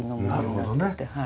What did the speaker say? なるほどね。